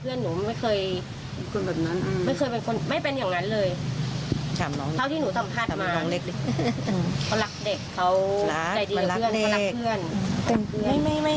หรือว่าเท่าที่พูดแล้วเอ่อเท่าที่อันนี้นะ